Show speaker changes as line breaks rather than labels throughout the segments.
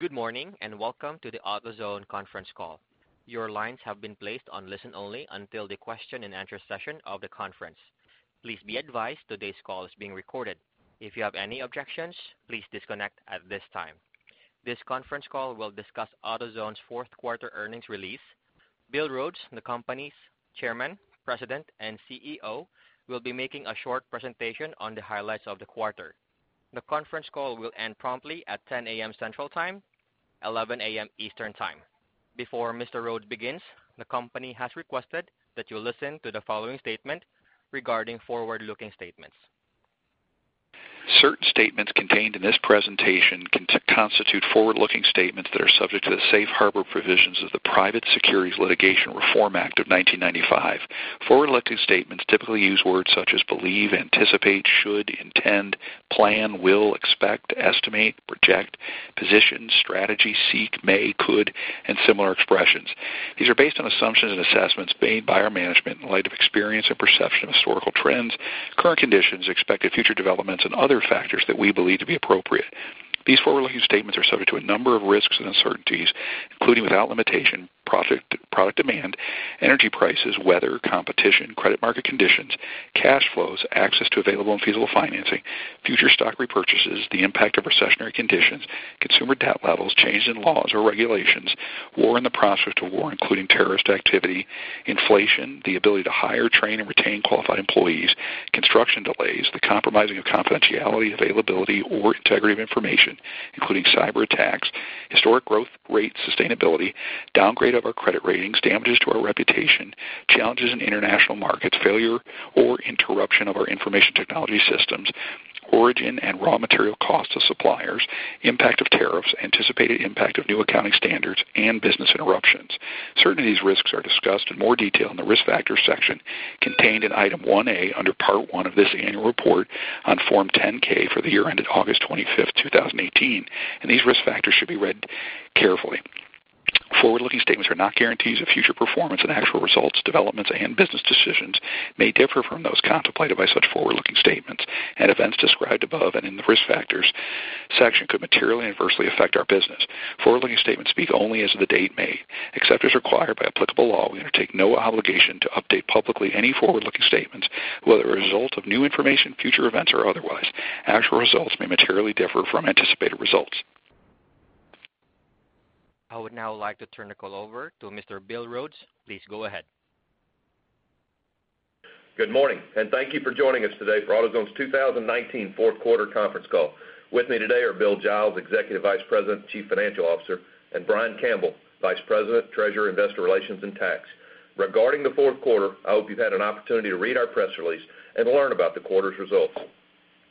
Good morning, and welcome to the AutoZone conference call. Your lines have been placed on listen only until the question and answer session of the conference. Please be advised today's call is being recorded. If you have any objections, please disconnect at this time. This conference call will discuss AutoZone's fourth quarter earnings release. Bill Rhodes, the company's Chairman, President, and CEO, will be making a short presentation on the highlights of the quarter. The conference call will end promptly at 10:00 AM Central Time, 11:00 AM Eastern Time. Before Mr. Rhodes begins, the company has requested that you listen to the following statement regarding forward-looking statements.
Certain statements contained in this presentation constitute forward-looking statements that are subject to the safe harbor provisions of the Private Securities Litigation Reform Act of 1995. Forward-looking statements typically use words such as believe, anticipate, should, intend, plan, will, expect, estimate, project, position, strategy, seek, may, could, and similar expressions. These are based on assumptions and assessments made by our management in light of experience and perception of historical trends, current conditions, expected future developments, and other factors that we believe to be appropriate. These forward-looking statements are subject to a number of risks and uncertainties, including without limitation, product demand, energy prices, weather, competition, credit market conditions, cash flows, access to available and feasible financing, future stock repurchases, the impact of recessionary conditions, consumer debt levels, changes in laws or regulations, war and the prospects of war, including terrorist activity, inflation, the ability to hire, train, and retain qualified employees, construction delays, the compromising of confidentiality, availability, or integrity of information, including cyber attacks, historic growth rate sustainability, downgrade of our credit ratings, damages to our reputation, challenges in international markets, failure or interruption of our information technology systems, origin and raw material costs of suppliers, impact of tariffs, anticipated impact of new accounting standards, and business interruptions. Certain of these risks are discussed in more detail in the Risk Factors section contained in Item 1A under Part One of this annual report on Form 10-K for the year ended August 25th, 2018. These risk factors should be read carefully. Forward-looking statements are not guarantees of future performance, and actual results, developments, and business decisions may differ from those contemplated by such forward-looking statements, and events described above and in the Risk Factors section could materially and adversely affect our business. Forward-looking statements speak only as of the date made. Except as required by applicable law, we undertake no obligation to update publicly any forward-looking statements, whether as a result of new information, future events, or otherwise. Actual results may materially differ from anticipated results.
I would now like to turn the call over to Mr. Bill Rhodes. Please go ahead.
Good morning, and thank you for joining us today for AutoZone's 2019 fourth quarter conference call. With me today are Bill Giles, Executive Vice President, Chief Financial Officer, and Brian Campbell, Vice President, Treasurer, Investor Relations, and Tax. Regarding the fourth quarter, I hope you've had an opportunity to read our press release and learn about the quarter's results.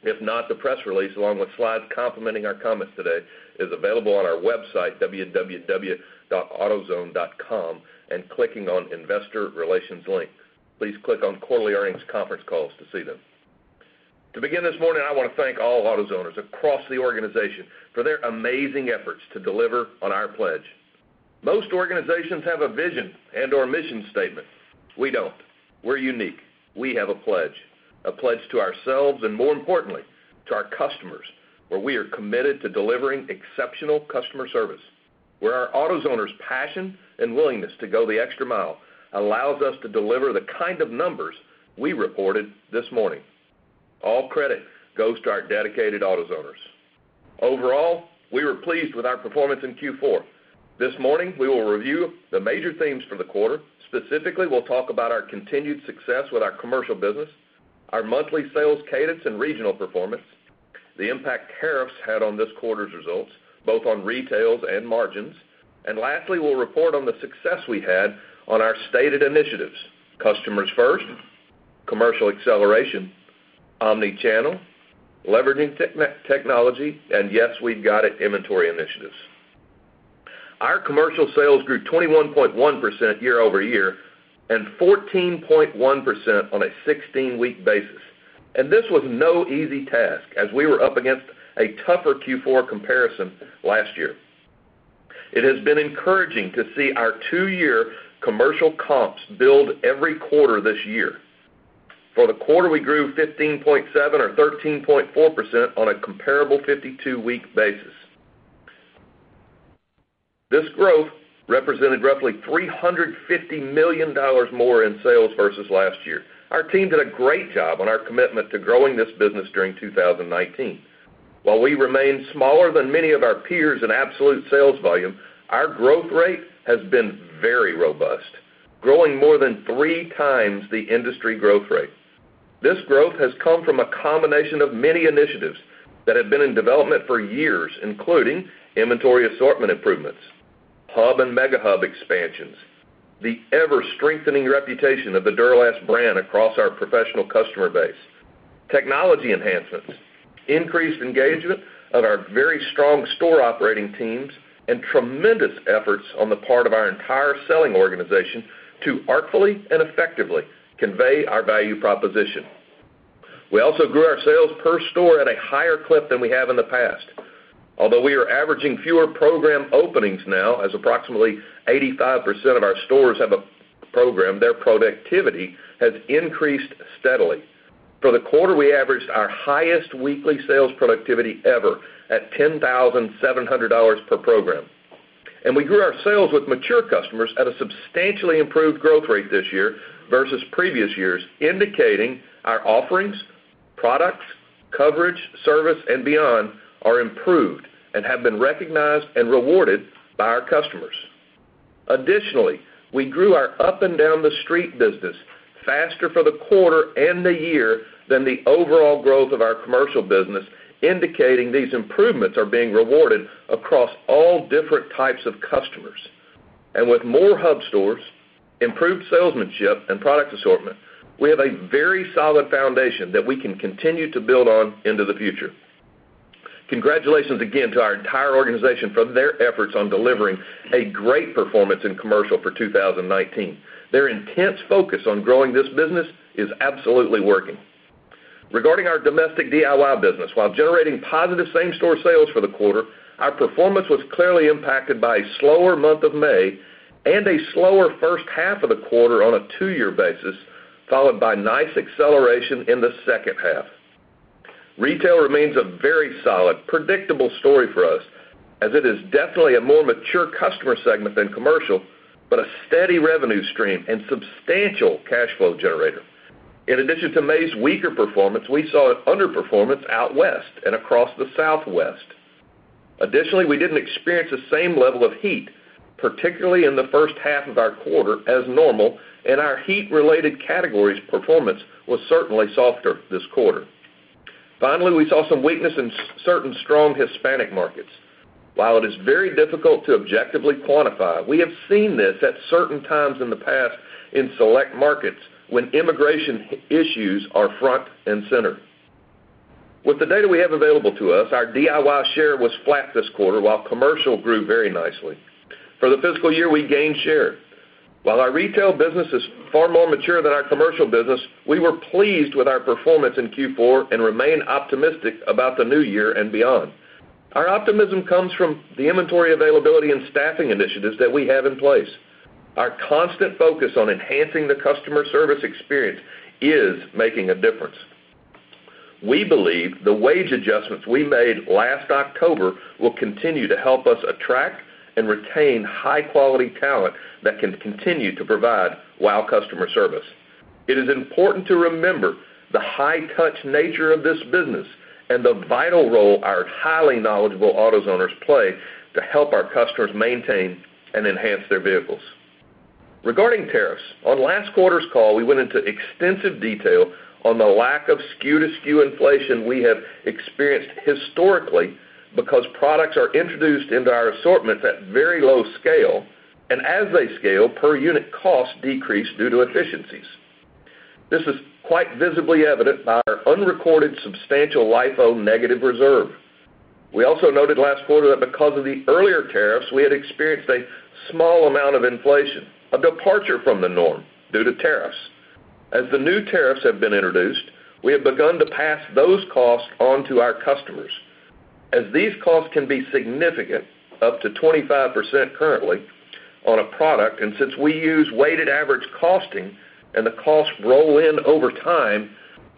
If not, the press release, along with slides complementing our comments today, is available on our website, www.autozone.com, and clicking on Investor Relations link. Please click on Quarterly Earnings Conference Calls to see them. To begin this morning, I want to thank all AutoZoners across the organization for their amazing efforts to deliver on our pledge. Most organizations have a vision and/or mission statement. We don't. We're unique. We have a pledge, a pledge to ourselves, and more importantly, to our customers, where we are committed to delivering exceptional customer service, where our AutoZoners' passion and willingness to go the extra mile allows us to deliver the kind of numbers we reported this morning. All credit goes to our dedicated AutoZoners. Overall, we were pleased with our performance in Q4. This morning, we will review the major themes for the quarter. Specifically, we'll talk about our continued success with our commercial business, our monthly sales cadence and regional performance, the impact tariffs had on this quarter's results, both on retails and margins. Lastly, we'll report on the success we had on our stated initiatives: Customers First, Commercial Acceleration, Omni-Channel, Leveraging Technology, and Yes! We've Got It inventory initiatives. Our commercial sales grew 21.1% year-over-year and 14.1% on a 16-week basis. This was no easy task, as we were up against a tougher Q4 comparison last year. It has been encouraging to see our two-year commercial comps build every quarter this year. For the quarter, we grew 15.7% or 13.4% on a comparable 52-week basis. This growth represented roughly $350 million more in sales versus last year. Our team did a great job on our commitment to growing this business during 2019. While we remain smaller than many of our peers in absolute sales volume, our growth rate has been very robust, growing more than 3 times the industry growth rate. This growth has come from a combination of many initiatives that have been in development for years, including inventory assortment improvements, hub and mega hub expansions, the ever-strengthening reputation of the Duralast brand across our professional customer base, technology enhancements, increased engagement of our very strong store operating teams, and tremendous efforts on the part of our entire selling organization to artfully and effectively convey our value proposition. We also grew our sales per store at a higher clip than we have in the past. Although we are averaging fewer program openings now, as approximately 85% of our stores have a program, their productivity has increased steadily. For the quarter, we averaged our highest weekly sales productivity ever at $10,700 per program. We grew our sales with mature customers at a substantially improved growth rate this year versus previous years, indicating our offerings, products, coverage, service, and beyond are improved and have been recognized and rewarded by our customers. Additionally, we grew our up and down the street business faster for the quarter and the year than the overall growth of our Commercial business, indicating these improvements are being rewarded across all different types of customers. With more hub stores, improved salesmanship and product assortment, we have a very solid foundation that we can continue to build on into the future. Congratulations again to our entire organization for their efforts on delivering a great performance in Commercial for 2019. Their intense focus on growing this business is absolutely working. Regarding our domestic DIY business, while generating positive same-store sales for the quarter, our performance was clearly impacted by a slower month of May and a slower first half of the quarter on a two-year basis, followed by nice acceleration in the second half. Retail remains a very solid, predictable story for us as it is definitely a more mature customer segment than commercial, but a steady revenue stream and substantial cash flow generator. In addition to May's weaker performance, we saw an underperformance out West and across the Southwest. Additionally, we didn't experience the same level of heat, particularly in the first half of our quarter as normal, and our heat-related categories performance was certainly softer this quarter. Finally, we saw some weakness in certain strong Hispanic markets. While it is very difficult to objectively quantify, we have seen this at certain times in the past in select markets when immigration issues are front and center. With the data we have available to us, our DIY share was flat this quarter, while commercial grew very nicely. For the fiscal year, we gained share. While our retail business is far more mature than our commercial business, we were pleased with our performance in Q4 and remain optimistic about the new year and beyond. Our optimism comes from the inventory availability and staffing initiatives that we have in place. Our constant focus on enhancing the customer service experience is making a difference. We believe the wage adjustments we made last October will continue to help us attract and retain high-quality talent that can continue to provide wow customer service. It is important to remember the high-touch nature of this business and the vital role our highly knowledgeable AutoZoners play to help our customers maintain and enhance their vehicles. Regarding tariffs, on last quarter's call, we went into extensive detail on the lack of SKU-to-SKU inflation we have experienced historically because products are introduced into our assortments at very low scale, and as they scale, per unit costs decrease due to efficiencies. This is quite visibly evident by our unrecorded substantial LIFO negative reserve. We also noted last quarter that because of the earlier tariffs, we had experienced a small amount of inflation, a departure from the norm due to tariffs. As the new tariffs have been introduced, we have begun to pass those costs on to our customers. As these costs can be significant, up to 25% currently on a product, and since we use weighted average costing and the costs roll in over time,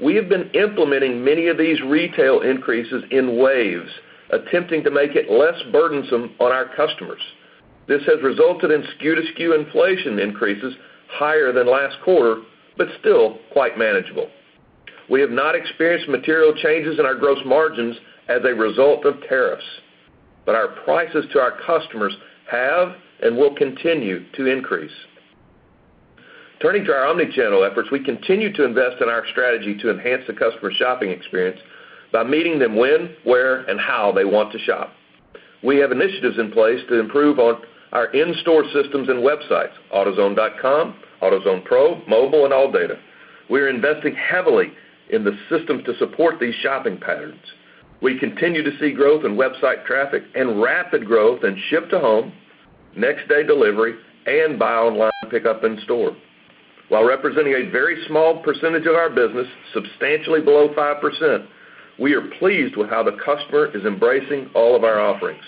we have been implementing many of these retail increases in waves, attempting to make it less burdensome on our customers. This has resulted in SKU-to-SKU inflation increases higher than last quarter, but still quite manageable. We have not experienced material changes in our gross margins as a result of tariffs, but our prices to our customers have and will continue to increase. Turning to our omnichannel efforts, we continue to invest in our strategy to enhance the customer shopping experience by meeting them when, where, and how they want to shop. We have initiatives in place to improve on our in-store systems and websites, autozone.com, AutoZone Pro, mobile, and ALLDATA. We're investing heavily in the systems to support these shopping patterns. We continue to see growth in website traffic and rapid growth in ship to home, next-day delivery, and buy online, pickup in store. While representing a very small percentage of our business, substantially below 5%, we are pleased with how the customer is embracing all of our offerings.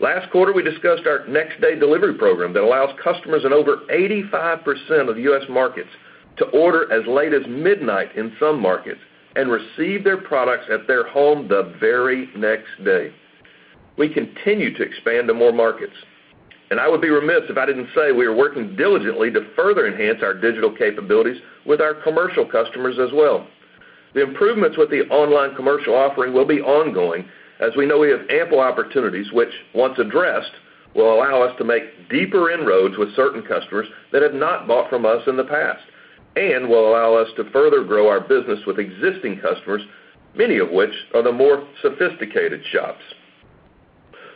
Last quarter, we discussed our next-day delivery program that allows customers in over 85% of U.S. markets to order as late as midnight in some markets and receive their products at their home the very next day. We continue to expand to more markets, and I would be remiss if I didn't say we are working diligently to further enhance our digital capabilities with our commercial customers as well. The improvements with the online commercial offering will be ongoing, as we know we have ample opportunities, which once addressed, will allow us to make deeper inroads with certain customers that have not bought from us in the past and will allow us to further grow our business with existing customers, many of which are the more sophisticated shops.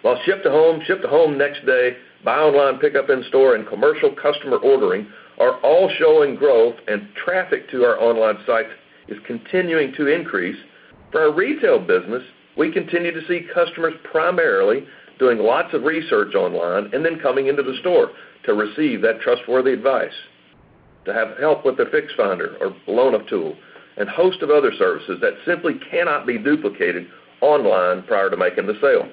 While ship to home, ship to home next day, buy online, pickup in store, and commercial customer ordering are all showing growth and traffic to our online sites is continuing to increase. For our retail business, we continue to see customers primarily doing lots of research online and then coming into the store to receive that trustworthy advice, to have help with their Fix Finder or Loan-A-Tool, and host of other services that simply cannot be duplicated online prior to making the sale.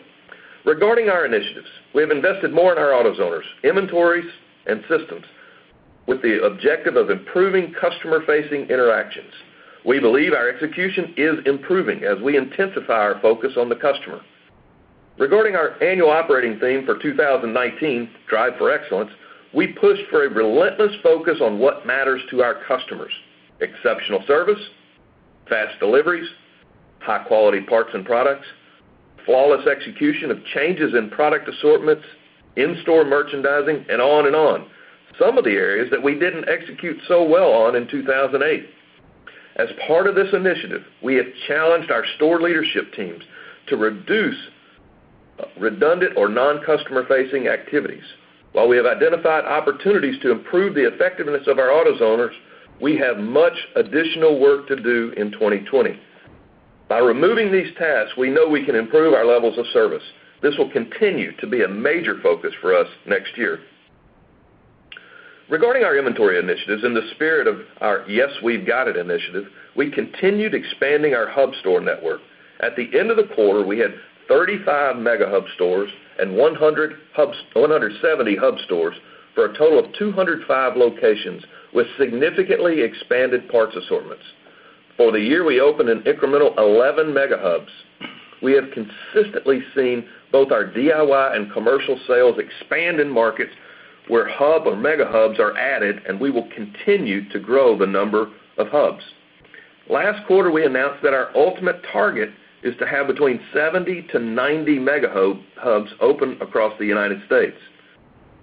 Regarding our initiatives, we have invested more in our AutoZoners, inventories, and systems with the objective of improving customer-facing interactions. We believe our execution is improving as we intensify our focus on the customer. Regarding our annual operating theme for 2019, Drive for Excellence, we pushed for a relentless focus on what matters to our customers: exceptional service, fast deliveries, high-quality parts and products, flawless execution of changes in product assortments, in-store merchandising, and on and on. Some of the areas that we didn't execute so well on in 2018. As part of this initiative, we have challenged our store leadership teams to reduce redundant or non-customer-facing activities. While we have identified opportunities to improve the effectiveness of our AutoZoners, we have much additional work to do in 2020. By removing these tasks, we know we can improve our levels of service. This will continue to be a major focus for us next year. Regarding our inventory initiatives, in the spirit of our Yes! We've Got It initiative, we continued expanding our hub store network. At the end of the quarter, we had 35 mega hub stores and 170 hub stores for a total of 205 locations with significantly expanded parts assortments. For the year, we opened an incremental 11 mega hubs. We have consistently seen both our DIY and commercial sales expand in markets where hub or mega hubs are added, and we will continue to grow the number of hubs. Last quarter, we announced that our ultimate target is to have between 70-90 mega hubs open across the U.S.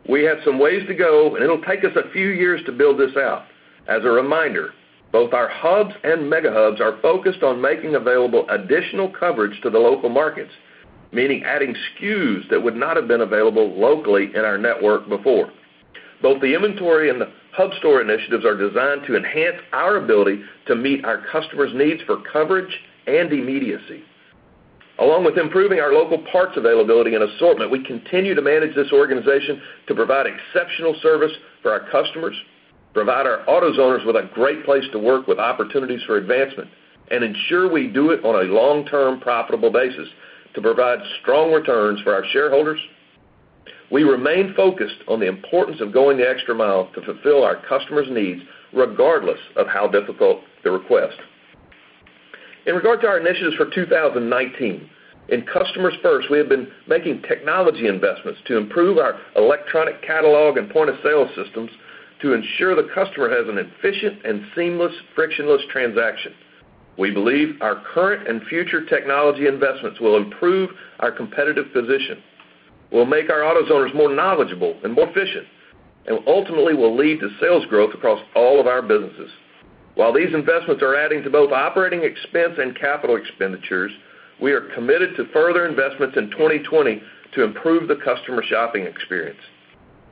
We have some ways to go, and it'll take us a few years to build this out. As a reminder, both our hubs and mega hubs are focused on making available additional coverage to the local markets, meaning adding SKUs that would not have been available locally in our network before. Both the inventory and the hub store initiatives are designed to enhance our ability to meet our customers' needs for coverage and immediacy. Along with improving our local parts availability and assortment, we continue to manage this organization to provide exceptional service for our customers, provide our AutoZoners with a great place to work with opportunities for advancement, and ensure we do it on a long-term profitable basis to provide strong returns for our shareholders. We remain focused on the importance of going the extra mile to fulfill our customers' needs, regardless of how difficult the request. In regard to our initiatives for 2019, in Customers First, we have been making technology investments to improve our electronic catalog and point-of-sale systems to ensure the customer has an efficient and seamless frictionless transaction. We believe our current and future technology investments will improve our competitive position, will make our AutoZoners more knowledgeable and more efficient, and ultimately will lead to sales growth across all of our businesses. While these investments are adding to both operating expense and capital expenditures, we are committed to further investments in 2020 to improve the customer shopping experience.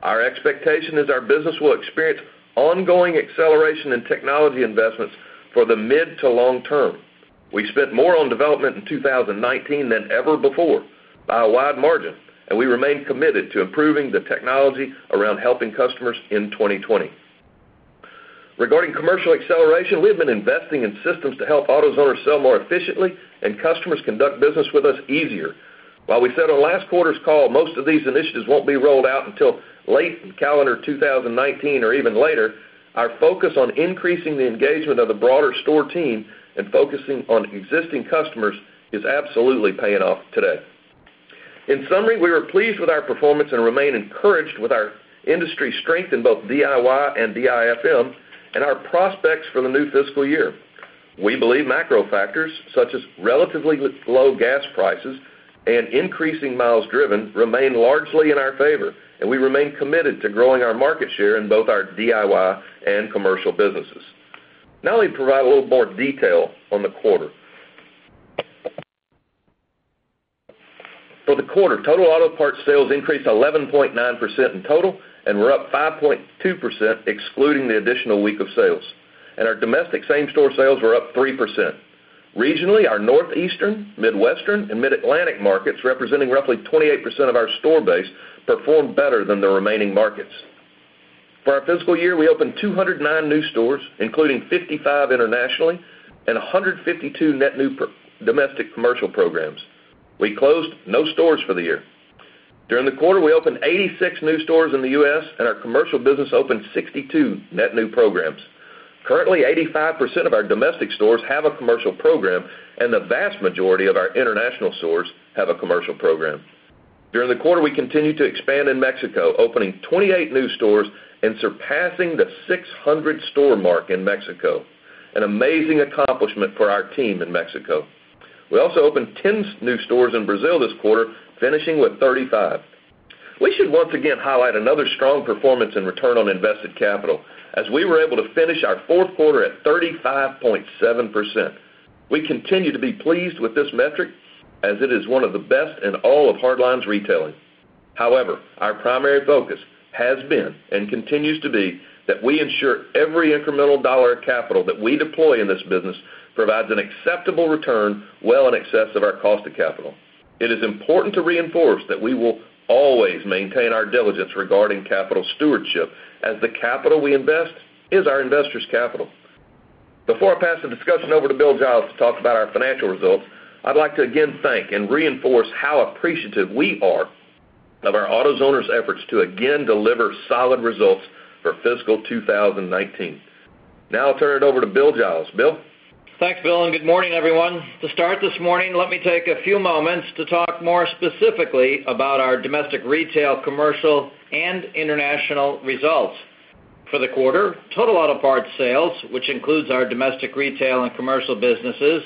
Our expectation is our business will experience ongoing acceleration in technology investments for the mid to long term. We spent more on development in 2019 than ever before by a wide margin, and we remain committed to improving the technology around helping customers in 2020. Regarding commercial acceleration, we have been investing in systems to help AutoZoners sell more efficiently and customers conduct business with us easier. While we said on last quarter's call most of these initiatives won't be rolled out until late in calendar 2019 or even later, our focus on increasing the engagement of the broader store team and focusing on existing customers is absolutely paying off today. In summary, we are pleased with our performance and remain encouraged with our industry strength in both DIY and DIFM and our prospects for the new fiscal year. We believe macro factors such as relatively low gas prices and increasing miles driven remain largely in our favor, and we remain committed to growing our market share in both our DIY and commercial businesses. Let me provide a little more detail on the quarter. For the quarter, total auto parts sales increased 11.9% in total and were up 5.2% excluding the additional week of sales. Our domestic same-store sales were up 3%. Regionally, our Northeastern, Midwestern, and Mid-Atlantic markets, representing roughly 28% of our store base, performed better than the remaining markets. For our fiscal year, we opened 209 new stores, including 55 internationally and 152 net new domestic commercial programs. We closed no stores for the year. During the quarter, we opened 86 new stores in the U.S., and our commercial business opened 62 net new programs. Currently, 85% of our domestic stores have a commercial program, and the vast majority of our international stores have a commercial program. During the quarter, we continued to expand in Mexico, opening 28 new stores and surpassing the 600-store mark in Mexico, an amazing accomplishment for our team in Mexico. We also opened 10 new stores in Brazil this quarter, finishing with 35. We should once again highlight another strong performance in return on invested capital as we were able to finish our fourth quarter at 35.7%. We continue to be pleased with this metric as it is one of the best in all of hardlines retailing. However, our primary focus has been and continues to be that we ensure every incremental dollar of capital that we deploy in this business provides an acceptable return well in excess of our cost of capital. It is important to reinforce that we will always maintain our diligence regarding capital stewardship as the capital we invest is our investors' capital. Before I pass the discussion over to Bill Giles to talk about our financial results, I'd like to again thank and reinforce how appreciative we are of our AutoZoners' efforts to again deliver solid results for fiscal 2019. I'll turn it over to Bill Giles. Bill?
Thanks, Bill. Good morning, everyone. To start this morning, let me take a few moments to talk more specifically about our domestic retail, commercial, and international results. For the quarter, total auto parts sales, which includes our domestic retail and commercial businesses,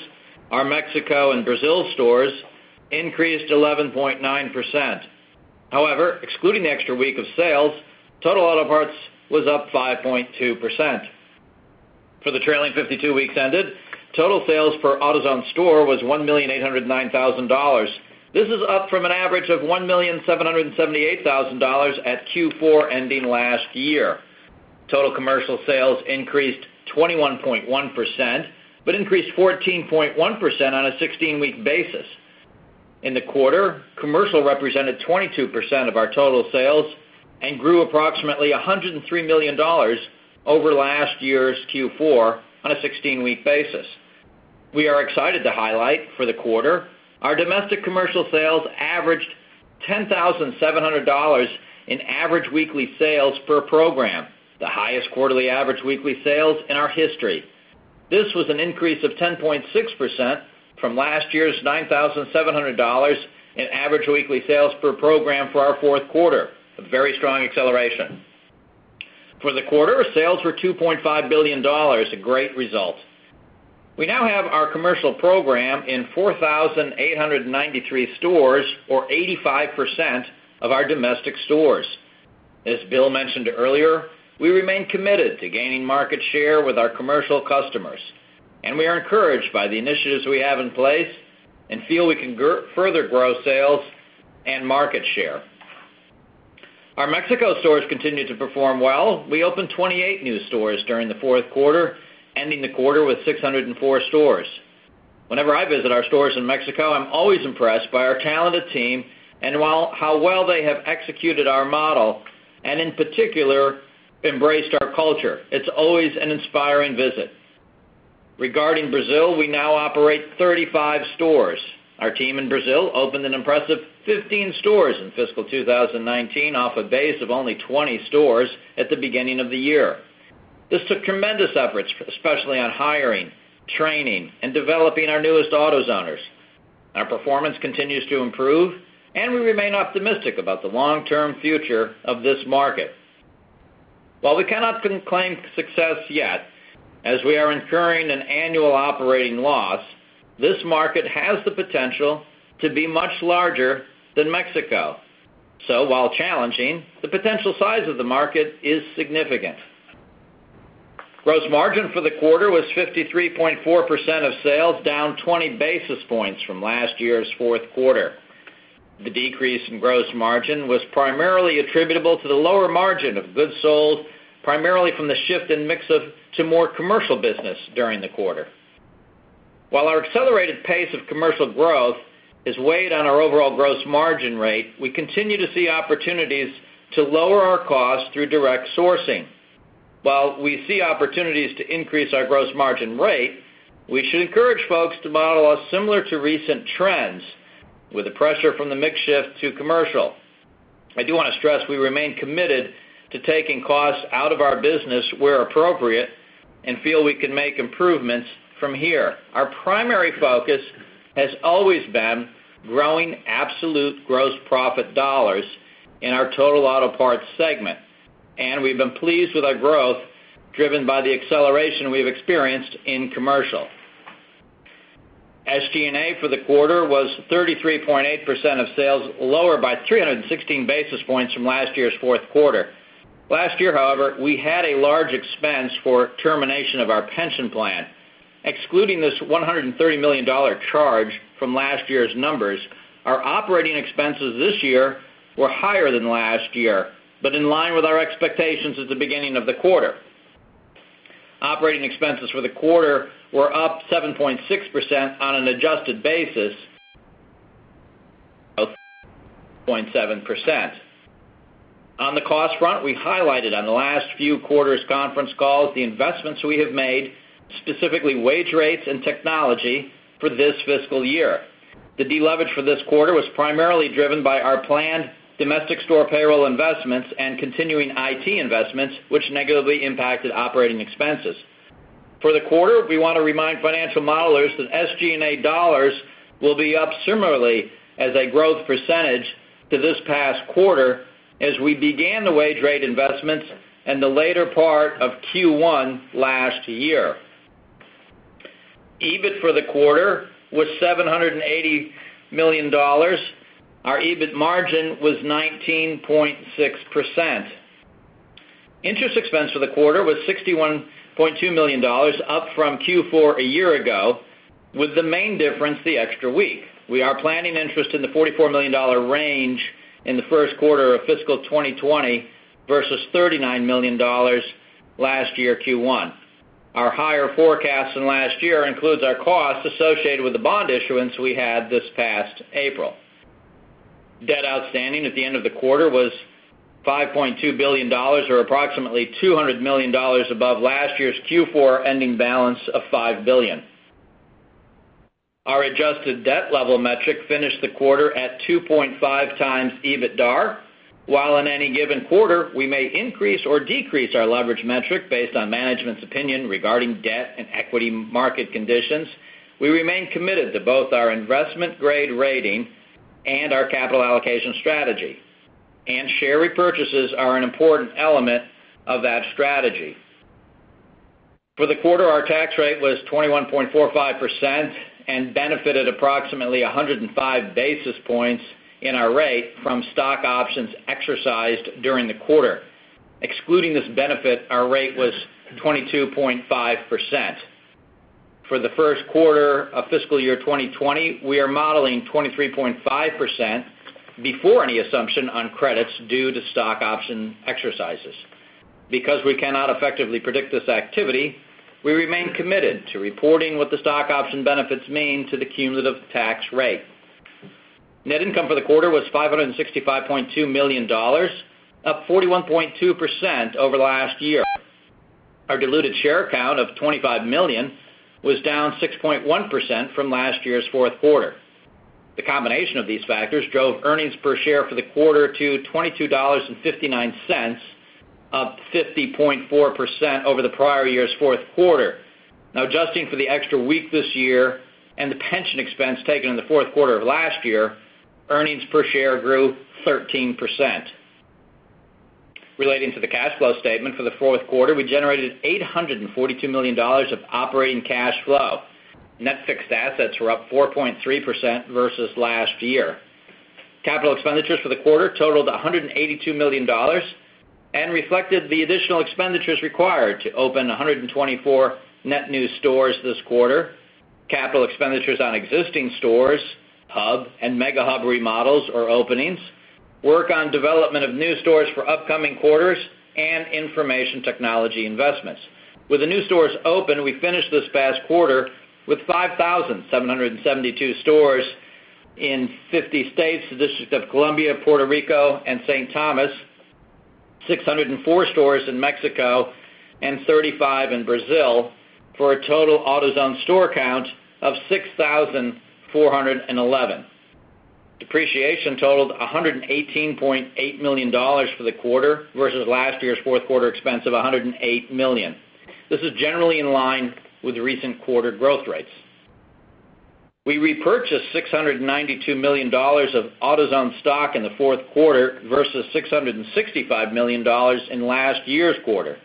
our Mexico and Brazil stores increased 11.9%. Excluding the extra week of sales, total auto parts was up 5.2%. For the trailing 52 weeks ended, total sales per AutoZone store was $1,809,000. This is up from an average of $1,778,000 at Q4 ending last year. Total commercial sales increased 21.1%, increased 14.1% on a 16-week basis. In the quarter, commercial represented 22% of our total sales and grew approximately $103 million over last year's Q4 on a 16-week basis. We are excited to highlight, for the quarter, our domestic commercial sales averaged $10,700 in average weekly sales per program, the highest quarterly average weekly sales in our history. This was an increase of 10.6% from last year's $9,700 in average weekly sales per program for our fourth quarter. A very strong acceleration. For the quarter, sales were $2.5 billion. A great result. We now have our commercial program in 4,893 stores, or 85% of our domestic stores. As Bill mentioned earlier, we remain committed to gaining market share with our commercial customers, and we are encouraged by the initiatives we have in place and feel we can further grow sales and market share. Our Mexico stores continue to perform well. We opened 28 new stores during the fourth quarter, ending the quarter with 604 stores. Whenever I visit our stores in Mexico, I'm always impressed by our talented team and how well they have executed our model, and in particular, embraced our culture. It's always an inspiring visit. Regarding Brazil, we now operate 35 stores. Our team in Brazil opened an impressive 15 stores in fiscal 2019 off a base of only 20 stores at the beginning of the year. This took tremendous efforts, especially on hiring, training, and developing our newest AutoZoners. Our performance continues to improve, and we remain optimistic about the long-term future of this market. While we cannot claim success yet, as we are incurring an annual operating loss, this market has the potential to be much larger than Mexico. While challenging, the potential size of the market is significant. Gross margin for the quarter was 53.4% of sales, down 20 basis points from last year's fourth quarter. The decrease in gross margin was primarily attributable to the lower margin of goods sold, primarily from the shift in mix to more commercial business during the quarter. While our accelerated pace of commercial growth has weighed on our overall gross margin rate, we continue to see opportunities to lower our costs through direct sourcing. While we see opportunities to increase our gross margin rate, we should encourage folks to model us similar to recent trends with the pressure from the mix shift to commercial. I do want to stress we remain committed to taking costs out of our business where appropriate and feel we can make improvements from here. Our primary focus has always been growing absolute gross profit dollars in our total auto parts segment, and we've been pleased with our growth driven by the acceleration we've experienced in commercial. SG&A for the quarter was 33.8% of sales, lower by 316 basis points from last year's fourth quarter. Last year, however, we had a large expense for termination of our pension plan. Excluding this $130 million charge from last year's numbers, our operating expenses this year were higher than last year, but in line with our expectations at the beginning of the quarter. Operating expenses for the quarter were up 7.6% on an adjusted basis, 0.7%. On the cost front, we highlighted on the last few quarters' conference calls the investments we have made, specifically wage rates and technology, for this fiscal year. The deleverage for this quarter was primarily driven by our planned domestic store payroll investments and continuing IT investments, which negatively impacted operating expenses. For the quarter, we want to remind financial modelers that SG&A dollars will be up similarly as a growth percentage to this past quarter as we began the wage rate investments in the later part of Q1 last year. EBIT for the quarter was $780 million. Our EBIT margin was 19.6%. Interest expense for the quarter was $61.2 million, up from Q4 a year ago, with the main difference the extra week. We are planning interest in the $44 million range in the first quarter of fiscal 2020 versus $39 million last year Q1. Our higher forecast than last year includes our costs associated with the bond issuance we had this past April. Debt outstanding at the end of the quarter was $5.2 billion, or approximately $200 million above last year's Q4 ending balance of $5 billion. Our adjusted debt level metric finished the quarter at 2.5x EBITDAR. While in any given quarter, we may increase or decrease our leverage metric based on management's opinion regarding debt and equity market conditions, we remain committed to both our investment-grade rating and our capital allocation strategy, and share repurchases are an important element of that strategy. For the quarter, our tax rate was 21.45% and benefited approximately 105 basis points in our rate from stock options exercised during the quarter. Excluding this benefit, our rate was 22.5%. For the first quarter of fiscal year 2020, we are modeling 23.5% before any assumption on credits due to stock option exercises. Because we cannot effectively predict this activity, we remain committed to reporting what the stock option benefits mean to the cumulative tax rate. Net income for the quarter was $565.2 million, up 41.2% over last year. Our diluted share count of 25 million was down 6.1% from last year's fourth quarter. The combination of these factors drove earnings per share for the quarter to $22.59, up 50.4% over the prior year's fourth quarter. Adjusting for the extra week this year and the pension expense taken in the fourth quarter of last year, earnings per share grew 13%. Relating to the cash flow statement for the fourth quarter, we generated $842 million of operating cash flow. Net fixed assets were up 4.3% versus last year. Capital expenditures for the quarter totaled $182 million and reflected the additional expenditures required to open 124 net new stores this quarter, capital expenditures on existing stores, hub and mega hub remodels or openings, work on development of new stores for upcoming quarters, and information technology investments. With the new stores open, we finished this past quarter with 5,772 stores in 50 states, the District of Columbia, Puerto Rico, and St. Thomas, 604 stores in Mexico, and 35 in Brazil, for a total AutoZone store count of 6,411. Depreciation totaled $118.8 million for the quarter versus last year's fourth quarter expense of $108 million. This is generally in line with recent quarter growth rates. We repurchased $692 million of AutoZone stock in the fourth quarter versus $665 million in last year's quarter.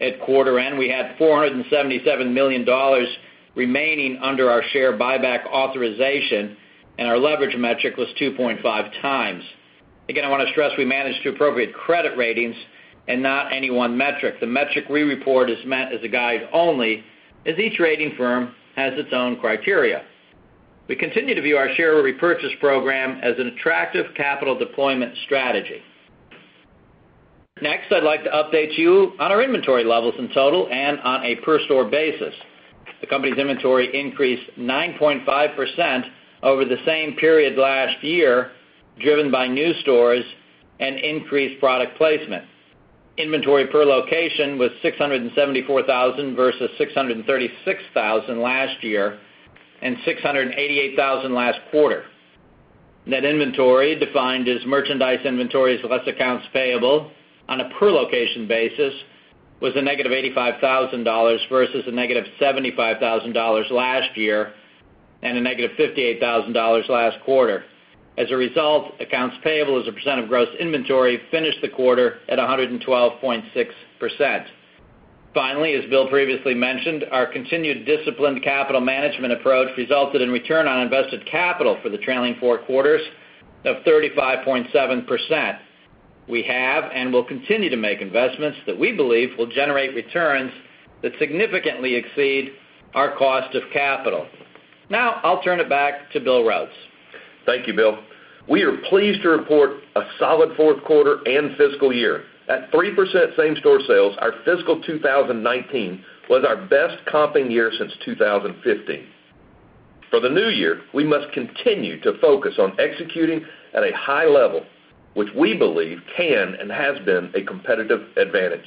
At quarter end, we had $477 million remaining under our share buyback authorization, and our leverage metric was 2.5 times. Again, I want to stress we manage to appropriate credit ratings and not any one metric. The metric we report is meant as a guide only, as each rating firm has its own criteria. We continue to view our share repurchase program as an attractive capital deployment strategy. Next, I'd like to update you on our inventory levels in total and on a per store basis. The company's inventory increased 9.5% over the same period last year, driven by new stores and increased product placement. Inventory per location was 674,000 versus 636,000 last year and 688,000 last quarter. Net inventory, defined as merchandise inventories less accounts payable on a per-location basis, was a -$85,000 versus a -$75,000 last year and a -$58,000 last quarter. As a result, accounts payable as a percent of gross inventory finished the quarter at 112.6%. Finally, as Bill previously mentioned, our continued disciplined capital management approach resulted in return on invested capital for the trailing four quarters of 35.7%. We have and will continue to make investments that we believe will generate returns that significantly exceed our cost of capital. I'll turn it back to Bill Rhodes.
Thank you, Bill. We are pleased to report a solid fourth quarter and fiscal year. At 3% same-store sales, our fiscal 2019 was our best comping year since 2015. For the new year, we must continue to focus on executing at a high level, which we believe can and has been a competitive advantage.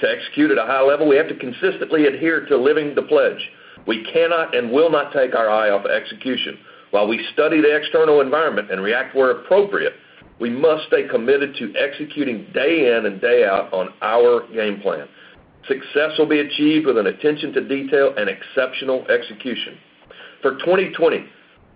To execute at a high level, we have to consistently adhere to living the pledge. We cannot and will not take our eye off execution. While we study the external environment and react where appropriate, we must stay committed to executing day in and day out on our game plan. Success will be achieved with an attention to detail and exceptional execution. For 2020,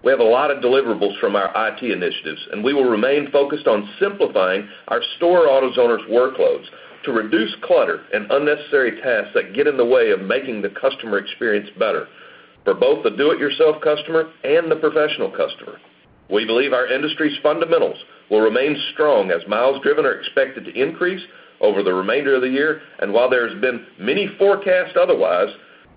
we have a lot of deliverables from our IT initiatives, and we will remain focused on simplifying our store AutoZoners' workloads to reduce clutter and unnecessary tasks that get in the way of making the customer experience better for both the do-it-yourself customer and the professional customer. We believe our industry's fundamentals will remain strong as miles driven are expected to increase over the remainder of the year. While there has been many forecasts otherwise,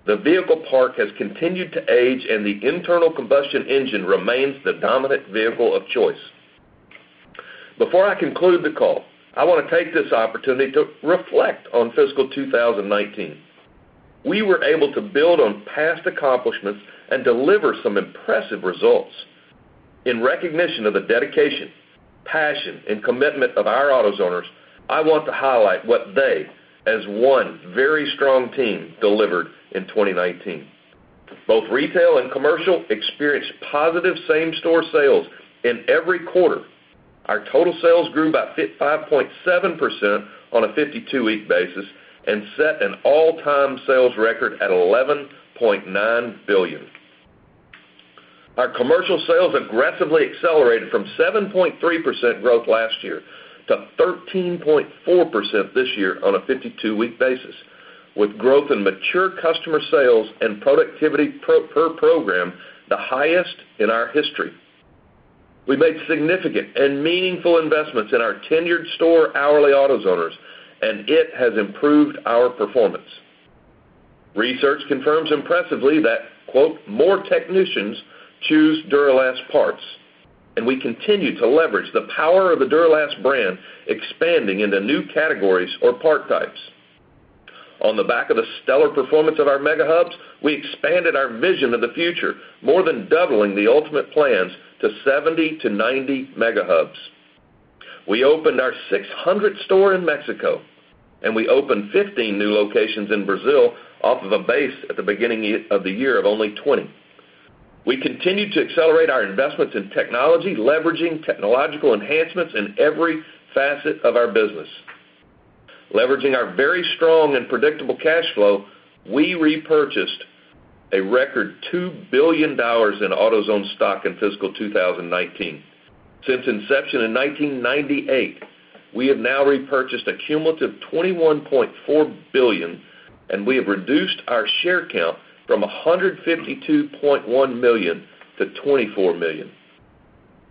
the vehicle park has continued to age, and the internal combustion engine remains the dominant vehicle of choice. Before I conclude the call, I want to take this opportunity to reflect on fiscal 2019. We were able to build on past accomplishments and deliver some impressive results. In recognition of the dedication, passion, and commitment of our AutoZoners, I want to highlight what they, as one very strong team, delivered in 2019. Both retail and commercial experienced positive same-store sales in every quarter. Our total sales grew by 5.7% on a 52-week basis and set an all-time sales record at $11.9 billion. Our commercial sales aggressively accelerated from 7.3% growth last year to 13.4% this year on a 52-week basis, with growth in mature customer sales and productivity per program the highest in our history. We made significant and meaningful investments in our tenured store hourly AutoZoners, and it has improved our performance. Research confirms impressively that, quote, "more technicians choose Duralast parts", and we continue to leverage the power of the Duralast brand, expanding into new categories or part types. On the back of the stellar performance of our mega hubs, we expanded our vision of the future, more than doubling the ultimate plans to 70 to 90 mega hubs. We opened our 600th store in Mexico. We opened 15 new locations in Brazil off of a base at the beginning of the year of only 20. We continue to accelerate our investments in technology, leveraging technological enhancements in every facet of our business. Leveraging our very strong and predictable cash flow, we repurchased a record $2 billion in AutoZone stock in fiscal 2019. Since inception in 1998, we have now repurchased a cumulative $21.4 billion. We have reduced our share count from 152.1 million to 24 million.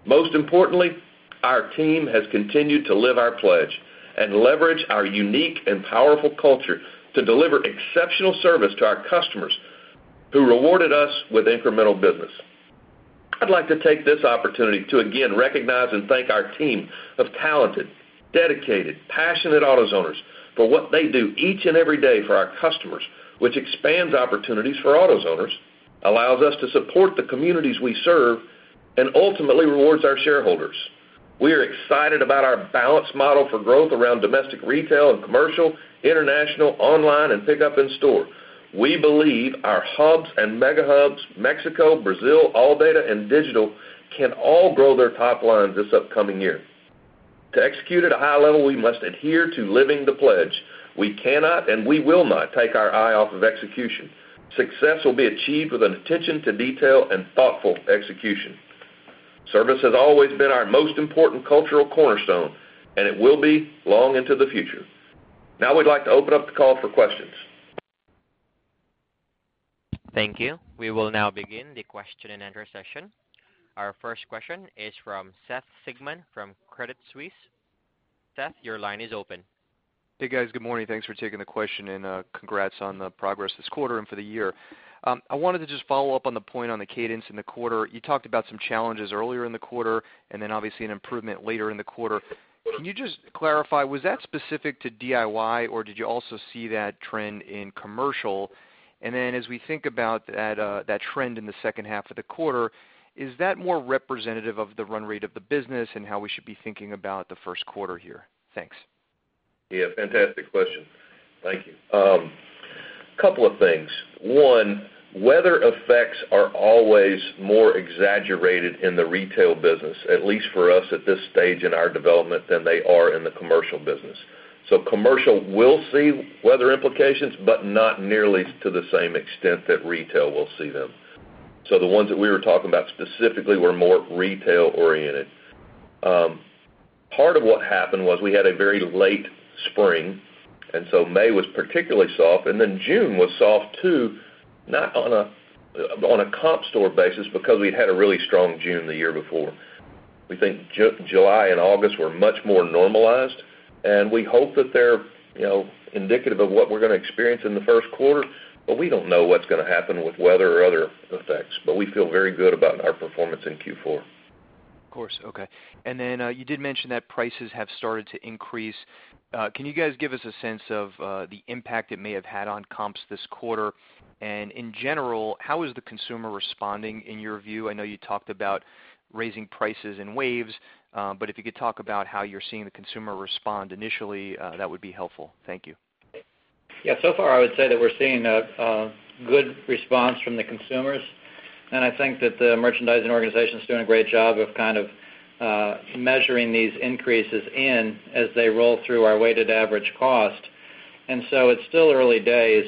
Most importantly, our team has continued to live our pledge and leverage our unique and powerful culture to deliver exceptional service to our customers, who rewarded us with incremental business. I'd like to take this opportunity to again recognize and thank our team of talented, dedicated, passionate AutoZoners for what they do each and every day for our customers, which expands opportunities for AutoZoners, allows us to support the communities we serve, and ultimately rewards our shareholders. We are excited about our balanced model for growth around domestic retail and commercial, international, online, and pickup in store. We believe our hubs and mega hubs, Mexico, Brazil, ALLDATA, and digital can all grow their top lines this upcoming year. To execute at a high level, we must adhere to living the pledge. We cannot, and we will not take our eye off of execution. Success will be achieved with an attention to detail and thoughtful execution. Service has always been our most important cultural cornerstone, and it will be long into the future. Now we'd like to open up the call for questions.
Thank you. We will now begin the question and answer session. Our first question is from Seth Sigman from Credit Suisse. Seth, your line is open.
Hey, guys. Good morning. Thanks for taking the question. Congrats on the progress this quarter and for the year. I wanted to just follow up on the point on the cadence in the quarter. You talked about some challenges earlier in the quarter, obviously an improvement later in the quarter. Can you just clarify, was that specific to DIY, or did you also see that trend in commercial? As we think about that trend in the second half of the quarter, is that more representative of the run rate of the business and how we should be thinking about the first quarter here? Thanks.
Yeah, fantastic question. Thank you. Couple of things. One, weather effects are always more exaggerated in the retail business, at least for us at this stage in our development, than they are in the commercial business. Commercial will see weather implications, but not nearly to the same extent that retail will see them. The ones that we were talking about specifically were more retail-oriented. Part of what happened was we had a very late spring, and so May was particularly soft, and then June was soft too, not on a comp store basis because we'd had a really strong June the year before. We think July and August were much more normalized. We hope that they're indicative of what we're going to experience in the first quarter, but we don't know what's going to happen with weather or other effects. We feel very good about our performance in Q4.
Of course, okay. Then you did mention that prices have started to increase. Can you guys give us a sense of the impact it may have had on comps this quarter? In general, how is the consumer responding in your view? I know you talked about raising prices in waves, but if you could talk about how you're seeing the consumer respond initially, that would be helpful. Thank you.
Yeah. So far, I would say that we're seeing a good response from the consumers, and I think that the merchandising organization's doing a great job of kind of measuring these increases in as they roll through our weighted average cost. It's still early days.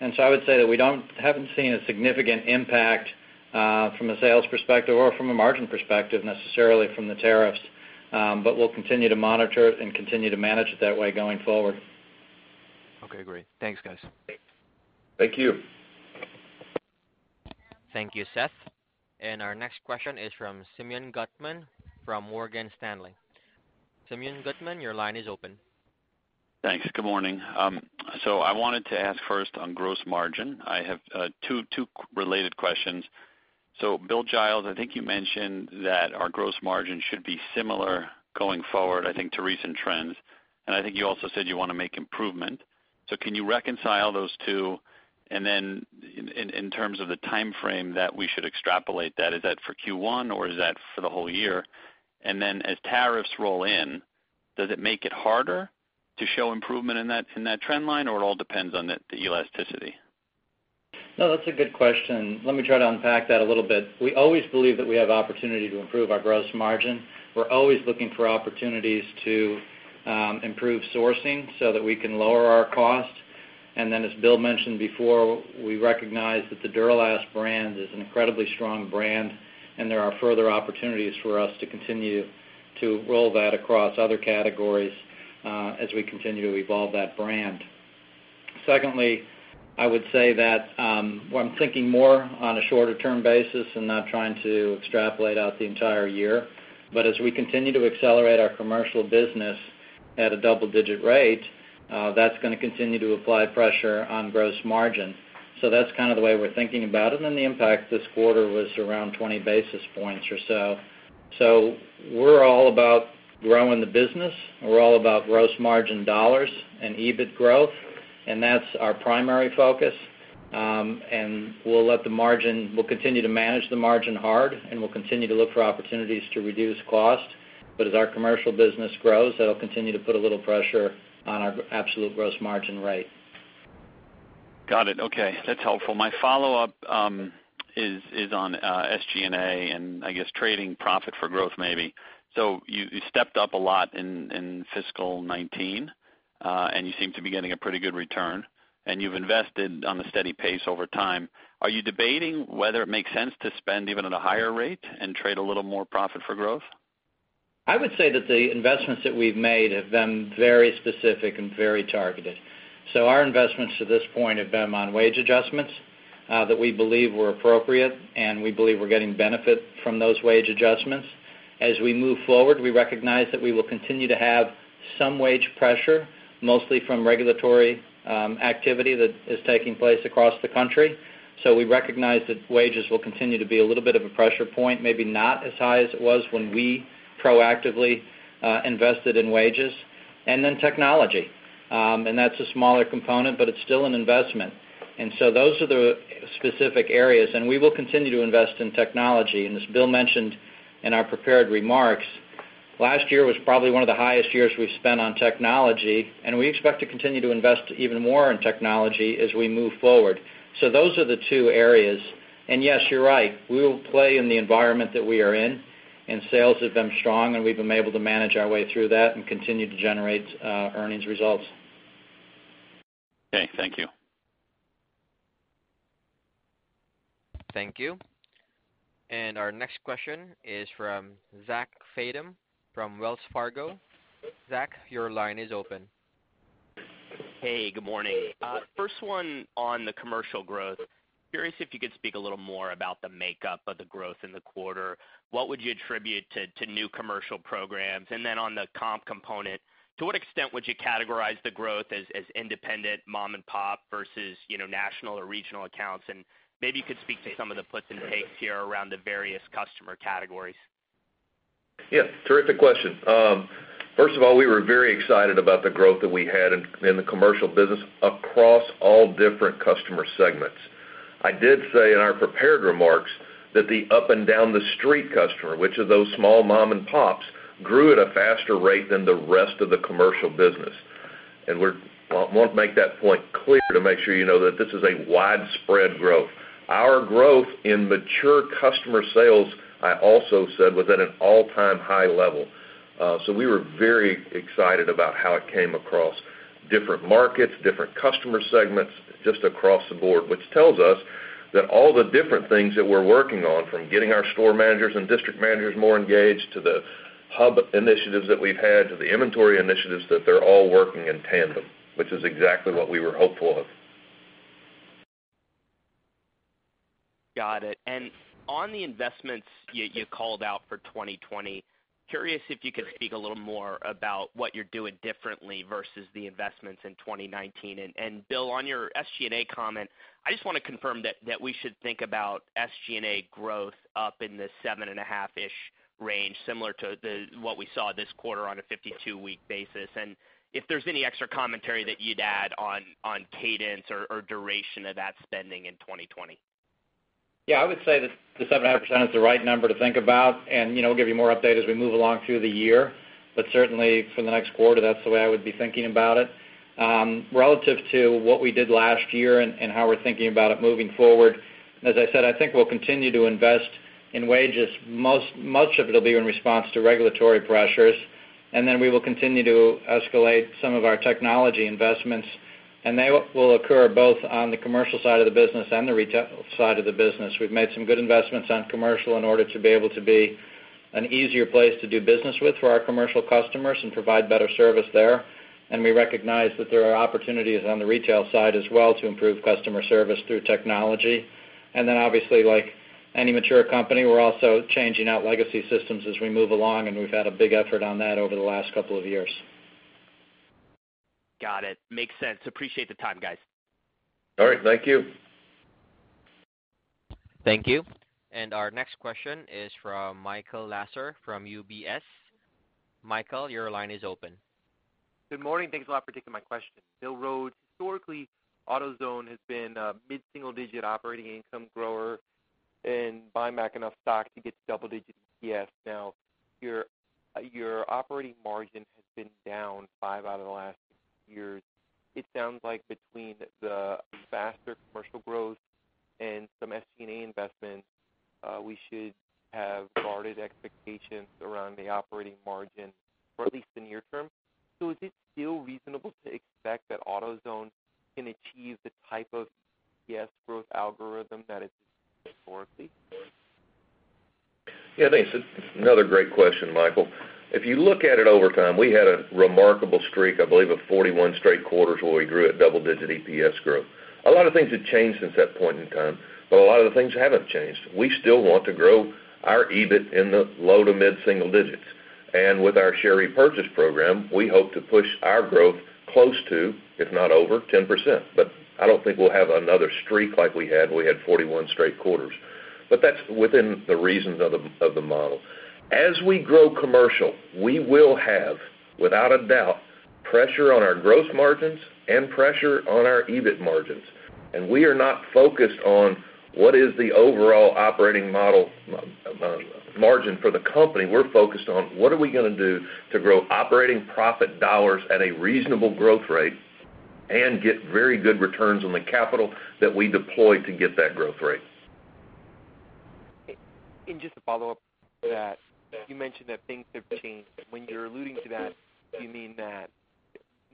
I would say that we haven't seen a significant impact from a sales perspective or from a margin perspective necessarily from the tariffs, but we'll continue to monitor it and continue to manage it that way going forward.
Okay, great. Thanks, guys.
Thank you.
Thank you, Seth. Our next question is from Simeon Gutman from Morgan Stanley. Simeon Gutman, your line is open.
Thanks. Good morning. I wanted to ask first on gross margin. I have two related questions. Bill Giles, I think you mentioned that our gross margin should be similar going forward, I think, to recent trends, and I think you also said you want to make improvement. Can you reconcile those two? In terms of the timeframe that we should extrapolate that, is that for Q1 or is that for the whole year? As tariffs roll in, does it make it harder to show improvement in that trend line, or it all depends on the elasticity?
No, that's a good question. Let me try to unpack that a little bit. We always believe that we have opportunity to improve our gross margin. We're always looking for opportunities to improve sourcing so that we can lower our cost. As Bill mentioned before, we recognize that the Duralast brand is an incredibly strong brand, and there are further opportunities for us to continue to roll that across other categories as we continue to evolve that brand. Secondly, I would say that, well, I'm thinking more on a shorter term basis and not trying to extrapolate out the entire year. As we continue to accelerate our commercial business at a double-digit rate, that's going to continue to apply pressure on gross margin. That's kind of the way we're thinking about it, and the impact this quarter was around 20 basis points or so. We're all about growing the business. We're all about gross margin dollars and EBIT growth, and that's our primary focus. We'll continue to manage the margin hard, and we'll continue to look for opportunities to reduce cost. As our commercial business grows, that'll continue to put a little pressure on our absolute gross margin rate.
Got it. Okay. That's helpful. My follow-up is on SG&A and I guess trading profit for growth maybe. You stepped up a lot in fiscal 2019, and you seem to be getting a pretty good return, and you've invested on a steady pace over time. Are you debating whether it makes sense to spend even at a higher rate and trade a little more profit for growth?
I would say that the investments that we've made have been very specific and very targeted. Our investments to this point have been on wage adjustments that we believe were appropriate, and we believe we're getting benefit from those wage adjustments. As we move forward, we recognize that we will continue to have some wage pressure, mostly from regulatory activity that is taking place across the country. We recognize that wages will continue to be a little bit of a pressure point, maybe not as high as it was when we proactively invested in wages. Then technology. That's a smaller component, but it's still an investment. Those are the specific areas, and we will continue to invest in technology. As Bill mentioned in our prepared remarks, last year was probably one of the highest years we've spent on technology, and we expect to continue to invest even more in technology as we move forward. Those are the two areas. Yes, you're right. We will play in the environment that we are in, and sales have been strong, and we've been able to manage our way through that and continue to generate earnings results.
Okay, thank you.
Thank you. Our next question is from Zachary Fadem from Wells Fargo. Zach, your line is open.
Hey, good morning. First one on the commercial growth. Curious if you could speak a little more about the makeup of the growth in the quarter? What would you attribute to new commercial programs? On the comp component, to what extent would you categorize the growth as independent mom and pop versus national or regional accounts? Maybe you could speak to some of the puts and takes here around the various customer categories.
Yeah, terrific question. First of all, we were very excited about the growth that we had in the commercial business across all different customer segments. I did say in our prepared remarks that the up and down the street customer, which are those small mom and pops, grew at a faster rate than the rest of the commercial business. I want to make that point clear to make sure you know that this is a widespread growth. Our growth in mature customer sales, I also said, was at an all-time high level. We were very excited about how it came across different markets, different customer segments, just across the board, which tells us that all the different things that we're working on, from getting our store managers and district managers more engaged, to the hub initiatives that we've had, to the inventory initiatives, that they're all working in tandem, which is exactly what we were hopeful of.
Got it. On the investments you called out for 2020, curious if you could speak a little more about what you're doing differently versus the investments in 2019. Bill, on your SG&A comment, I just want to confirm that we should think about SG&A growth up in the 7.5-ish range, similar to what we saw this quarter on a 52-week basis. If there's any extra commentary that you'd add on cadence or duration of that spending in 2020.
I would say that the 7.5% is the right number to think about, and we'll give you more update as we move along through the year. Certainly for the next quarter, that's the way I would be thinking about it. Relative to what we did last year and how we're thinking about it moving forward, as I said, I think we'll continue to invest in wages. Much of it will be in response to regulatory pressures. Then we will continue to escalate some of our technology investments, and they will occur both on the commercial side of the business and the retail side of the business. We've made some good investments on commercial in order to be able to be an easier place to do business with for our commercial customers and provide better service there. We recognize that there are opportunities on the retail side as well to improve customer service through technology. Obviously, like any mature company, we're also changing out legacy systems as we move along, and we've had a big effort on that over the last couple of years.
Got it. Makes sense. Appreciate the time, guys.
All right, thank you.
Thank you. Our next question is from Michael Lasser from UBS. Michael, your line is open.
Good morning. Thanks a lot for taking my question. Bill Rhodes. Historically, AutoZone has been a mid-single-digit operating income grower and buying back enough stock to get to double-digit EPS. Now your operating margin has been down 5 out of the last 6 years. It sounds like between the faster commercial growth and some SG&A investments, we should have guarded expectations around the operating margin for at least the near term. Is it still reasonable to expect that AutoZone can achieve the type of EPS growth algorithm that it has historically?
Yeah, thanks. Another great question, Michael. If you look at it over time, we had a remarkable streak, I believe of 41 straight quarters where we grew at double-digit EPS growth. A lot of things have changed since that point in time, a lot of the things haven't changed. We still want to grow our EBIT in the low to mid-single digits. With our share repurchase program, we hope to push our growth close to, if not over 10%, I don't think we'll have another streak like we had. We had 41 straight quarters. That's within the reasons of the model. As we grow commercial, we will have, without a doubt, pressure on our gross margins and pressure on our EBIT margins. We are not focused on what is the overall operating model, margin for the company. We're focused on what are we gonna do to grow operating profit dollars at a reasonable growth rate and get very good returns on the capital that we deploy to get that growth rate.
Just a follow-up to that. You mentioned that things have changed. When you are alluding to that, do you mean that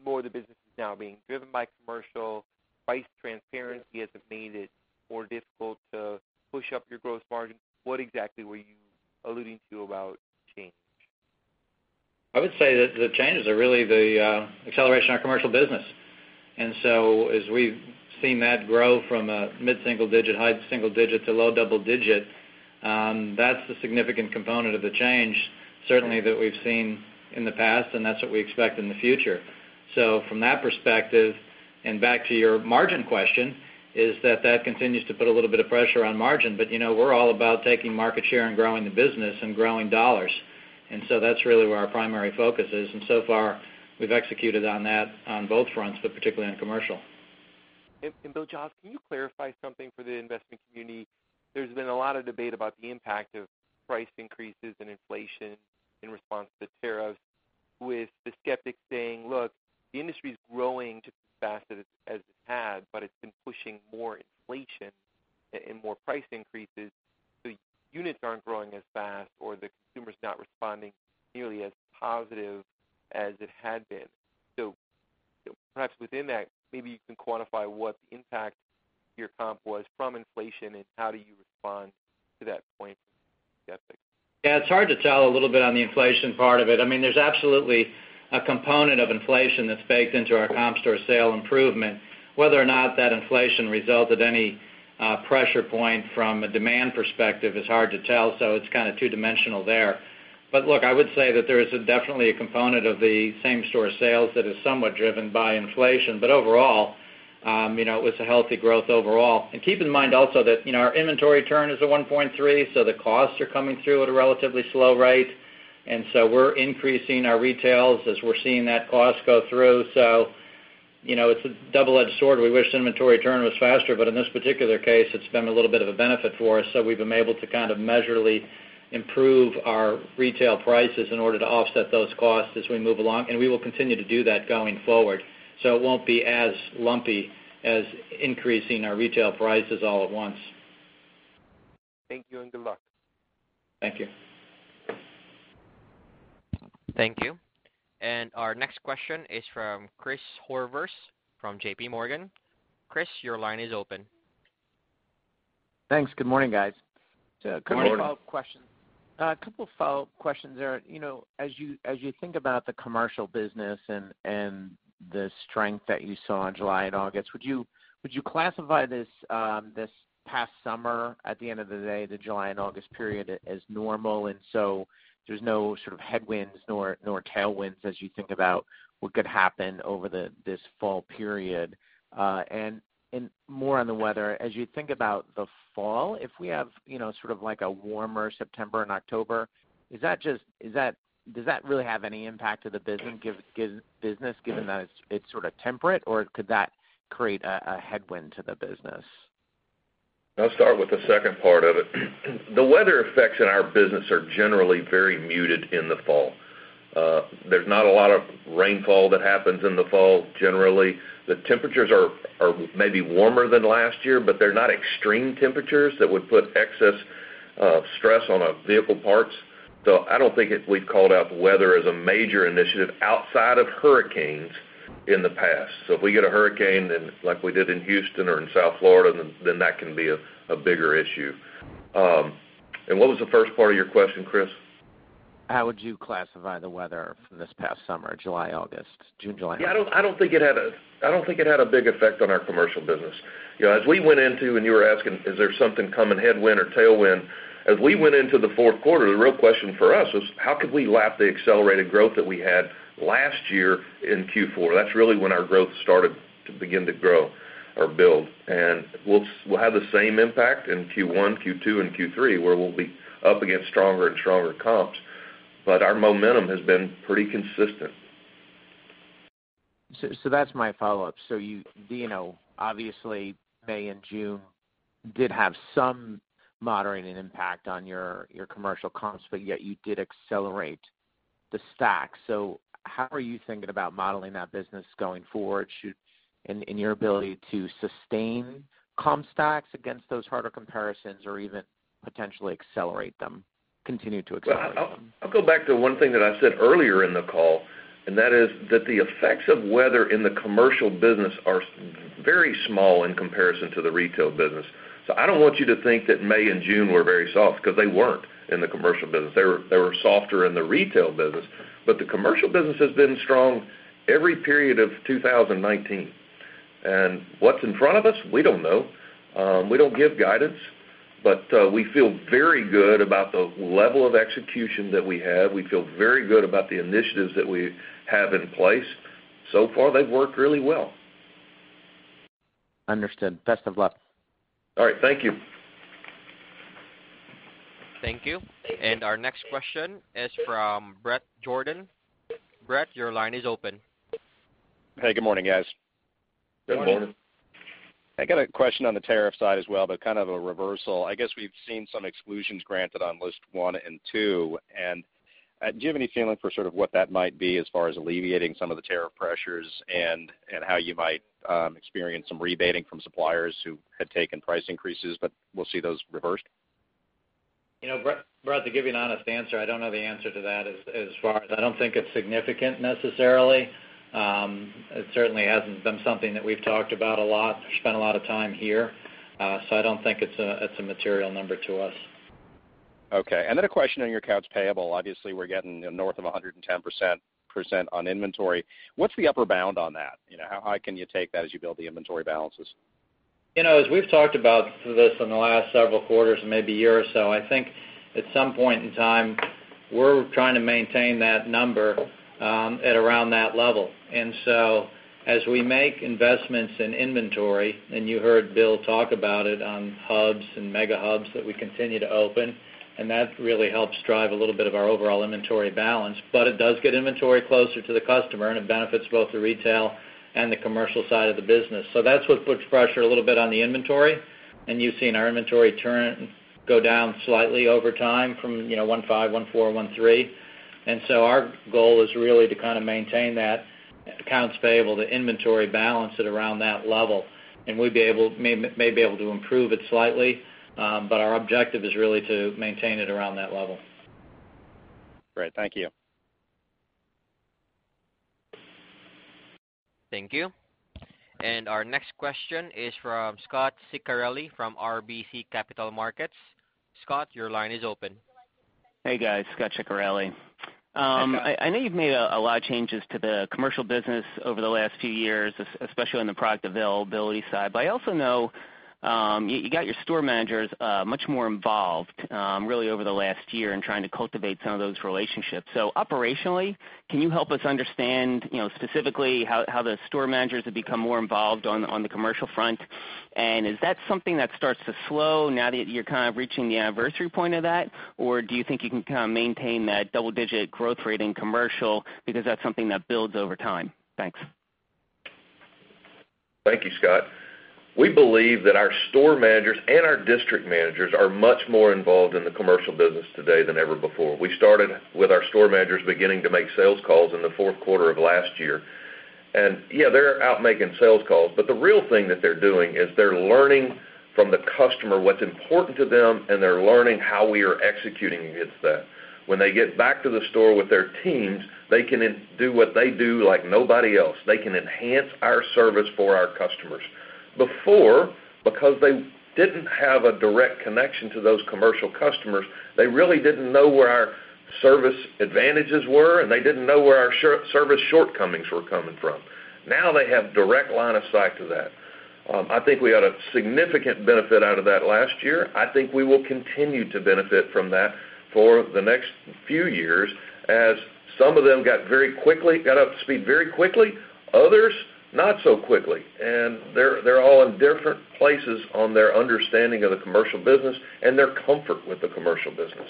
more of the business is now being driven by commercial, price transparency has made it more difficult to push up your gross margin? What exactly were you alluding to about change?
I would say that the changes are really the acceleration of our commercial business. As we've seen that grow from a mid-single digit, high single digit to low double digit, that's the significant component of the change, certainly that we've seen in the past, and that's what we expect in the future. From that perspective, and back to your margin question, is that that continues to put a little bit of pressure on margin, but we're all about taking market share and growing the business and growing dollars. That's really where our primary focus is. So far, we've executed on that on both fronts, but particularly on commercial.
Bill, Josh, can you clarify something for the investment community? There's been a lot of debate about the impact of price increases and inflation in response to the tariffs with the skeptics saying, "Look, the industry's growing just as fast as it had, but it's been pushing more inflation and more price increases, so units aren't growing as fast, or the consumer's not responding nearly as positive as it had been." Perhaps within that, maybe you can quantify what the impact to your comp was from inflation and how do you respond to that point from skeptics?
Yeah, it's hard to tell a little bit on the inflation part of it. There's absolutely a component of inflation that's baked into our comp store sales improvement. Whether or not that inflation resulted any pressure point from a demand perspective is hard to tell, so it's two-dimensional there. Look, I would say that there is definitely a component of the same-store sales that is somewhat driven by inflation. Overall, it was a healthy growth overall. Keep in mind also that our inventory turn is a 1.3, so the costs are coming through at a relatively slow rate. We're increasing our retails as we're seeing that cost go through. It's a double-edged sword. We wish inventory turn was faster, but in this particular case, it's been a little bit of a benefit for us. We've been able to kind of measurably improve our retail prices in order to offset those costs as we move along, and we will continue to do that going forward. It won't be as lumpy as increasing our retail prices all at once.
Thank you, and good luck.
Thank you.
Thank you. Our next question is from Chris Horvers from JPMorgan. Chris, your line is open.
Thanks. Good morning, guys.
Good morning.
A couple of follow-up questions there. As you think about the commercial business and the strength that you saw in July and August, would you classify this past summer, at the end of the day, the July and August period, as normal? There's no sort of headwinds nor tailwinds as you think about what could happen over this fall period. More on the weather, as you think about the fall, if we have sort of like a warmer September and October, does that really have any impact to the business given that it's sort of temperate, or could that create a headwind to the business?
I'll start with the second part of it. The weather effects in our business are generally very muted in the fall. There's not a lot of rainfall that happens in the fall, generally. The temperatures are maybe warmer than last year, but they're not extreme temperatures that would put excess stress on our vehicle parts. I don't think we've called out the weather as a major initiative outside of hurricanes in the past. If we get a hurricane then, like we did in Houston or in South Florida, then that can be a bigger issue. What was the first part of your question, Chris?
How would you classify the weather for this past summer, July, August, June, July?
Yeah, I don't think it had a big effect on our commercial business. And you were asking, is there something coming, headwind or tailwind? As we went into the fourth quarter, the real question for us was how could we lap the accelerated growth that we had last year in Q4? That's really when our growth started to begin to grow or build. We'll have the same impact in Q1, Q2, and Q3, where we'll be up against stronger and stronger comps, but our momentum has been pretty consistent.
That's my follow-up. Obviously, May and June did have some moderating impact on your commercial comps, but yet you did accelerate the stacks. How are you thinking about modeling that business going forward, and your ability to sustain comp stacks against those harder comparisons or even potentially accelerate them, continue to accelerate them?
I'll go back to one thing that I said earlier in the call, and that is that the effects of weather in the commercial business are very small in comparison to the retail business. I don't want you to think that May and June were very soft, because they weren't in the commercial business. They were softer in the retail business, but the commercial business has been strong every period of 2019. What's in front of us, we don't know. We don't give guidance, but we feel very good about the level of execution that we have. We feel very good about the initiatives that we have in place. Far, they've worked really well.
Understood. Best of luck.
All right. Thank you.
Thank you. Our next question is from Bret Jordan. Bret, your line is open.
Hey, good morning, guys.
Good morning.
Good morning.
I got a question on the tariff side as well, kind of a reversal. I guess we've seen some exclusions granted on list one and two, do you have any feeling for sort of what that might be as far as alleviating some of the tariff pressures and how you might experience some rebating from suppliers who had taken price increases, but we'll see those reversed?
Bret, to give you an honest answer, I don't know the answer to that as far as I don't think it's significant necessarily. It certainly hasn't been something that we've talked about a lot or spent a lot of time here. I don't think it's a material number to us.
Okay. A question on your accounts payable. Obviously, we're getting north of 110% on inventory. What's the upper bound on that? How high can you take that as you build the inventory balances?
As we've talked about this in the last several quarters and maybe a year or so, I think at some point in time, we're trying to maintain that number at around that level. As we make investments in inventory, and you heard Bill talk about it on hubs and mega hubs that we continue to open, that really helps drive a little bit of our overall inventory balance, but it does get inventory closer to the customer, and it benefits both the retail and the commercial side of the business. That's what puts pressure a little bit on the inventory, and you've seen our inventory turn go down slightly over time from one five, one four, one three. Our goal is really to kind of maintain that accounts payable to inventory balance at around that level. We may be able to improve it slightly, but our objective is really to maintain it around that level.
Great. Thank you.
Thank you. Our next question is from Scot Ciccarelli from RBC Capital Markets. Scot, your line is open.
Hey, guys. Scot Ciccarelli.
Hi, Scot.
I know you've made a lot of changes to the commercial business over the last few years, especially on the product availability side, but I also know you got your store managers much more involved really over the last year in trying to cultivate some of those relationships. Operationally, can you help us understand specifically how the store managers have become more involved on the commercial front? Is that something that starts to slow now that you're kind of reaching the anniversary point of that? Do you think you can kind of maintain that double-digit growth rate in commercial because that's something that builds over time? Thanks.
Thank you, Scot. We believe that our store managers and our district managers are much more involved in the commercial business today than ever before. We started with our store managers beginning to make sales calls in the fourth quarter of last year. Yeah, they're out making sales calls, but the real thing that they're doing is they're learning from the customer what's important to them, and they're learning how we are executing against that. When they get back to the store with their teams, they can do what they do like nobody else. They can enhance our service for our customers. Before, because they didn't have a direct connection to those commercial customers, they really didn't know where our service advantages were, and they didn't know where our service shortcomings were coming from. Now they have direct line of sight to that. I think we got a significant benefit out of that last year. I think we will continue to benefit from that for the next few years, as some of them got up to speed very quickly, others not so quickly. They're all in different places on their understanding of the commercial business and their comfort with the commercial business.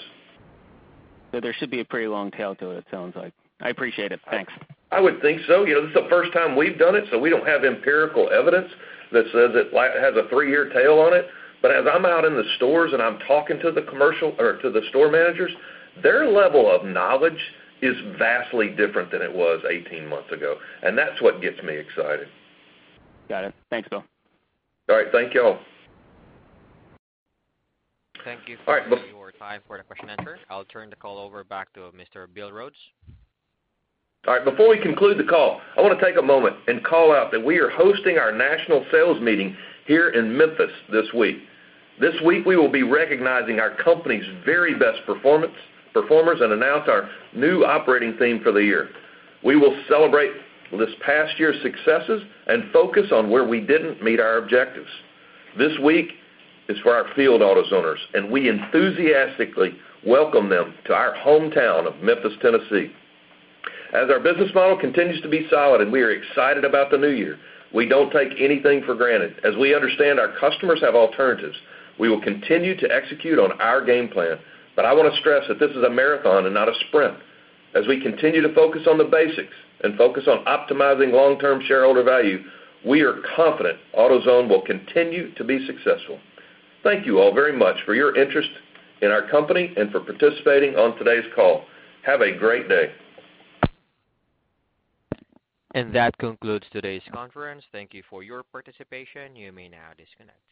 There should be a pretty long tail to it sounds like. I appreciate it. Thanks.
I would think so. This is the first time we've done it, so we don't have empirical evidence that says it has a three-year tail on it. As I'm out in the stores and I'm talking to the store managers, their level of knowledge is vastly different than it was 18 months ago, and that's what gets me excited.
Got it. Thanks, Bill.
All right. Thank you all.
Thank you for your time for the question and answer. I'll turn the call over back to Mr. Bill Rhodes.
Before we conclude the call, I want to take a moment and call out that we are hosting our National Sales Meeting here in Memphis this week. This week, we will be recognizing our company's very best performers and announce our new Operating Theme for the year. We will celebrate this past year's successes and focus on where we didn't meet our objectives. This week is for our field AutoZoners, and we enthusiastically welcome them to our hometown of Memphis, Tennessee. Our business model continues to be solid and we are excited about the new year, we don't take anything for granted. We understand our customers have alternatives, we will continue to execute on our game plan. I want to stress that this is a marathon and not a sprint. As we continue to focus on the basics and focus on optimizing long-term shareholder value, we are confident AutoZone will continue to be successful. Thank you all very much for your interest in our company and for participating on today's call. Have a great day.
That concludes today's conference. Thank you for your participation. You may now disconnect.